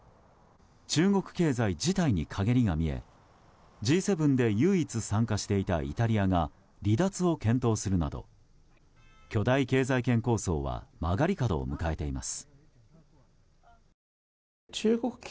中国経済自体に陰りが見えＧ７で唯一参加していたイタリアが離脱を検討するなど巨大経済圏構想は曲がり角を迎えています。